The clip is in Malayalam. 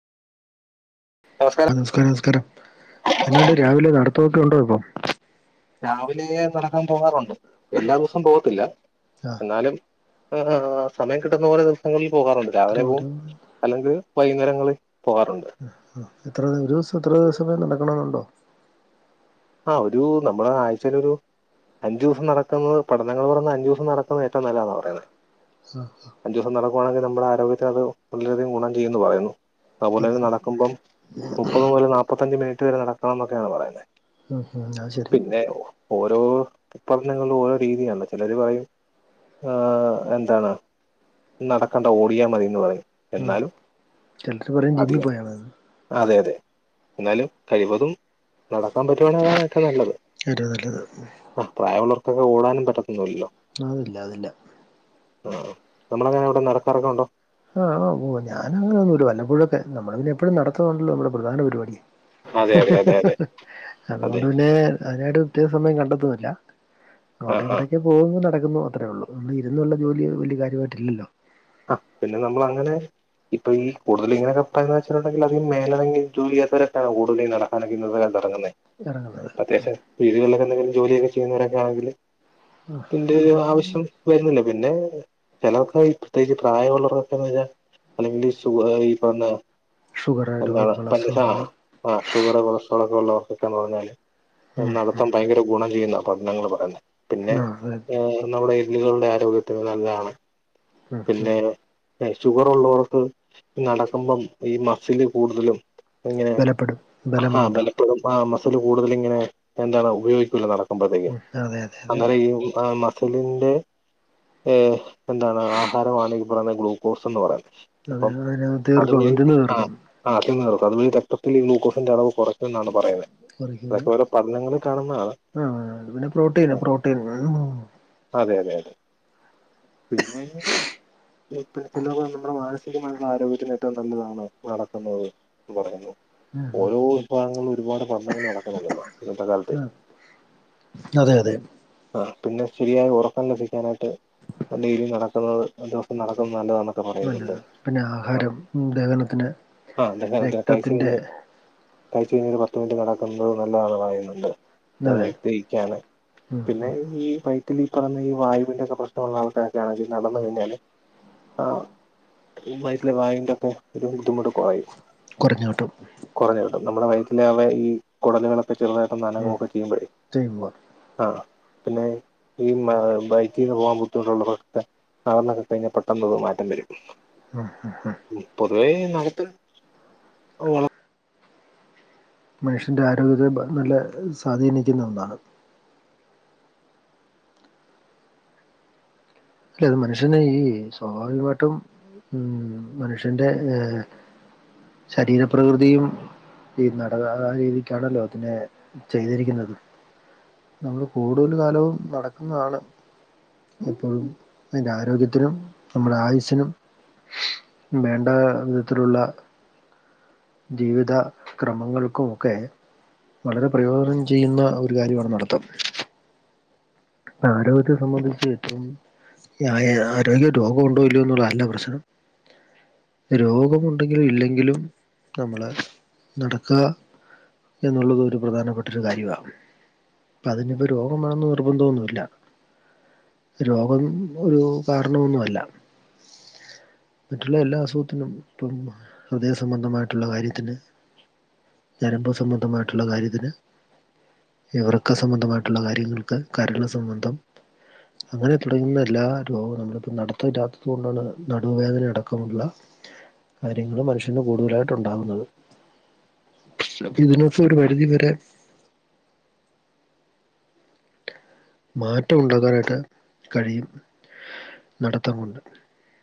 നമസ്കാരം നമസ്കാര നമസ്കാര എന്നാണ്ട് രാവിലെ നടത്തോക്കെണ്ടോ ഇപ്പോ? രാവിലെ നടക്കാൻ പോകാറുണ്ട് എല്ലാ ദിവസം പോകത്തില്ല. ആഹ് ന്നാലും ആ സമയം കിട്ടുന്ന പോലെ ദിവസങ്ങളിൽ പോകാറുണ്ട് എത്ര രാവിലെ ഒരു പോകും. അല്ലെങ്കിൽ വൈകുന്നേരങ്ങള് പോകാറുണ്ട്. ആഹ് എത്ര ഒരു സം എത്ര [unintelligible] ആഹ് ഒരു നമ്മള് ആഴ്ചലൊരു അഞ്ചു സം നടക്ക്ന്നത് പഠനങ്ങള് പറയുന്നെ അഞ്ച് സം നടക്കുന്നത് ഏറ്റോ നല്ലന്ന പറയുന്നേ. ആഹ് ആഹ് അഞ്ചു സം നടക്കുവാണങ്കി നമ്മുടെ ആരോഗത്തിനത് വളരധിക ഗുണം ചെയ്യുന്നു പറയുന്നു. അതുപോലെന്നെ പറയുന്നു നടക്കുമ്പം മുപ്പത് മുതൽ നാപ്പത്തഞ്ച് മിനിറ്റ് വരെ നടക്കണം എന്നൊക്കെണ് പറയുന്നെ. ഉം ഉം അഹ് പിന്നെ ഓരോ പഠനങ്ങളും ഓരോ രീതിയാണ് ചെലര് പറയും. ആഹ് എന്താണ് നടക്കണ്ട ഓടിയാ മതിന്ന് പറയും. ഉം, എന്നാലും ചിലർ പറയും ജിമ്മിൽ അധികം പോയാണെന്ന് അതെ അതെ എന്നാലും കഴിവതും [unintelligible] നല്ലത് ഏറ്റവും നല്ലത് ആ പ്രായള്ളോർക്കൊക്കെ ഓടാനും പറ്റത്ത്ല്ലല്ലോ. അഹ് ല്ല ത് ല്ല ആഹ് നമ്മളങ്ങനെ വടെ നടക്കാറൊക്കെണ്ടോ? ആഹ് ഓ ഞാനങ്ങനെന്നും ഒരു വല്ലപ്പോഴൊക്ക നമ്മള പിന്നെ എപ്പഴും നടത്തുന്നുണ്ടല്ലോ നമ്മ പ്രധാന പരിപാടി. അതെ അതെ അതെ അതെ അതെ അതുകൊണ്ട് പിന്നെ അതിനായിട്ട് പ്രത്യേക സമയം കണ്ടെത്തുന്നില്ല ആ ആ [unintelligible] പോകുന്നു നടക്കുന്നു അത്രേ ഉള്ളൂ ഒന്ന് ഇരുന്നുള്ള ജോലി വലിയ കാര്യമായിട്ടില്ലല്ലോ. ആഹ് പിന്നെ നമ്മള് അങ്ങനെ ഇപ്പ ഈ കൂട്തൽ ഇങ്ങനക്കെ [unintelligible] അധികം മേലണങ്ങി ജോലി യ്യാത്തരക്കാവു കൂടല് നട ആണങ്കി [unintelligible] ഇറങ്ങുന്നത് അത്യാവശ്യം വീടുകളിലൊക്കെ എന്തെലും ജോലിയൊക്കെ ചെയ്യുന്നവരൊക്കെ ആണെങ്കിൽ ആ, ഇതിന്റെ ഒരു അവിടെ ആവശ്യം വരുന്നില്ല പിന്നെ ചെലർക്കയി പ്രത്യേകിച്ച് [unintelligible] അല്ലെങ്കിൽ സു ഈ പർഞ്ഞ ഷുഗർ എന്താണ് രോഗങ്ങൾ പഞ്ചസ അസുഖങ്ങൾ ണോ? ആഹ് ഷുഗർ, കൊളസ്ട്രോള് ഒക്കെ ഉള്ളവർക്കൊക്കന്ന് ർഞ്ഞാല് ഉം, നടത്തം ഭയങ്കര ഗുണം ചെയ്യുന്ന പഠനങ്ങൾ പറയുന്നേ പിന്നെ ആ അതെ നമ്മുടെ എല്ലുകളുടെ ആരോഗ്യത്തിന് നല്ലാണ്. ഉം ഉം പിന്നെ ഷുഗർ ഉള്ളവർക്കും നടക്കുമ്പം ഈ മസില് കൂടുതലും ഇങ്ങനെ ബലപ്പെടും ബലം അഹാ ഉണ്ടാവും ബലപ്രദം ആ മസില് കൂടുതല് ങ്ങനെ എന്താണ് ഉപയോഗിക്കൂല്ല ഉം അതെ അതെ അതെ നട [unintelligible] സിലിന്റെ ഏഹ് എന്താണ് ആഹാരമാണ് ഈ പറയുന്ന ഗ്ലൂക്കോസന്ന് പറ അതിന് അപ്പം അതിന് ദീർഘവും അതുവഴി ഇതിന് ആഹ് ദീർഘവും ആഹ് തിന്നറക്കും അതുവഴി രക്തത്തിൽ ഗ്ലൂക്കോസിന്റെ അളവ് കൊറ എന്നാണ് പറയ്ന്നെ [inaudible] ആഹ് പിന്നെ പ്രോട്ടീൻ ആ, പ്രോട്ടീൻ അതെ അതെ അതെ പിന്നെ [unintelligible] നമ്മുടെ മാനസികമായിട്ടുള്ള ആരോഗ്യത്തിന് ഏറ്റവും നല്ലതാണ് നട നടക്കുന്നത് എന്ന് പറയുന്നു. ഓരോ വിഭാഗങ്ങളും ഒരുപാട് പഠനങ്ങൾ നടക്കുന്നുണ്ടല്ലോ ഇന്നത്തെ കാലത്തേ അതെ അതെ ആഹ് പിന്നെ ശരിയായ ഒറക്കം ലഭിക്കാനായിട്ട് നല്ല രീതിയിൽ നടക്കുന്നത് ദിവസം നടക്കുന്നത് നല്ലതാന്ന. പറയുന്ന്ണ്ട് നല്ലതാണ് പിന്നെ ആഹ് ആഹാരം ദഹനത്തിന് രക്തത്തിന്റെ ആഹ് [unintelligible] കയ്ച്ച് കഴിഞ് ഒരു പത്ത് മിനിറ്റ് നടക്കുന്നത് നല്ലതാണ് പറയുന്നുണ്ട്. അതെ വൈത്തക്കാണ് ഉം പിന്നെ ഈ പൈ ഈ പറയണ ഈ വായുവിന്റെറെക്കെ പ്രശ്നമുള്ള ആൾക്കൊക്കെയെിൽ നടന്ന കഴിഞ്ഞാല് ആ വയട്ടില് വാങ്ങന്റെക്കെ ഒരു ബുദ്ധിമുട്ട് കുറയും കുറഞ്ഞു കിട്ടും കുറഞ്ഞ കിട്ടും നമ്മുടെ വയറ്റ അവ ഈ കുടലുകളൊെ പ്പ ചെറുതായിട്ടും ഉം നനയൊക്കെ ചെയ്യുമ്പഴേ ചെയ്യുമ്പോൾ ആ പിന്നെ ഈ ബൈക്കിന്ന് പോകാൻ ബുദ്ധിമുട്ടുള്ളവർ നടന്നൊക്കെ കഴിഞ്ഞാൽ പെട്ടെന്ന് തും മാറ്റം വരും. ഉ ഹു ഹും. പൊതുവേ നമുക്ക് മനുഷ്യൻന്റെ ആരോഗ്യത്തെ നല്ല സ്വാധീനിക്കുന്ന ഒന്നാണ്. അല്ല അത് മനുഷ്യന ഈ സ്വാഭാവികമായിട്ടും ഉ മനുഷ്യന്റെ ഏ ശരീരപ്രകൃതിയും ഈ നട ആ രീതിക്കാണല്ലോ അതിനെ ചെയ്തിരിക്കുന്നത്. നമ്മൾ കൂടുതൽ കാലവും നടക്കുന്നതാണ് ഇപ്പോഴും. അതിൻന്റെ ആരോഗ്യത്തിനും നമ്മുടെ ആയുസിനും. വേണ്ട വിധത്തിലുള്ള. ജീവിത ക്രമങ്ങൾക്കെക്കെ വളരെ പ്രയോജനം ചെയ്യുന്ന ഒരു കാര്യമാണ് നടത്തം. ആരോഗ്യത്തെ സംബന്ധിച്ച് ഏറ്റവും. ആരോഗ്യ രോഗം ഉണ്ടോ ഇല്ലോ എന്നുള്ളതല്ല പ്രശ്നം. രോഗമുണ്ടെങ്കിലും ഇല്ലെങ്കിലും നമ്മള് നടക്ക എന്നുള്ളത് ഒരു പ്രധാനപ്പെട്ട ഒരു കാര്യമാണ് അപ്പൊ അതിനിപ്പോ രോഗമാണെന്ന് നിർബന്ധംന്നുമില്ല. രോഗം ഒരു കാരണൊന്നുമ ല്ല മറ്റുള്ള എല്ലാ അസുഖത്തിനും ഇപ്പ ഹൃദയ സംംബന്ധമായിട്ടുള്ള കാര്യത്തിന്. ഞരമ്പ് സംബന്ധമായിട്ടുള്ള കാര്യത്തിന്. വൃക്ക സംബന്ധമായിട്ടുള്ള കാര്യങ്ങൾക്ക് കരള് സംബന്ധം അങ്ങനെ തുടങ്ങുന്ന എല്ലാ രോഗവും നമ്മളിപ്പോ നടത്തില്ലത്തത്ക കൊണ്ടാണ് നടുവവേദന അടക്കമുള്ള. കാര്യങ്ങൾ മനുഷ്യന് കൂടുതലായിട്ട് ഉണ്ടാകുന്നത്. അപ്പ ഇതിനൊക്കെ ഒരു ഫീഡ് പരിധി വരെ. മാറ്റമുണ്ടാക്കാനായിട്ട് കഴിയും നടത്ത കൊണ്ട്